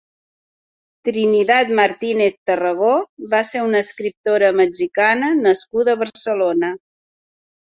Trinidad Martínez Tarragó va ser una escriptora mexicana nascuda a Barcelona.